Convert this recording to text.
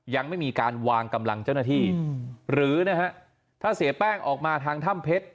ยังไม่มีการวางกำลังเจ้าหน้าที่หรือนะฮะถ้าเสียแป้งออกมาทางถ้ำเพชร